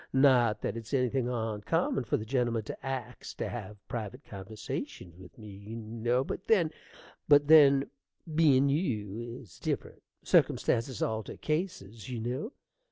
Not that it's anything oncommon fer the gentlemen to ax to have private conversations with me, you know; but then but then bein' you, it's different: circumstances alter cases, you know.